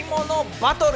バトル？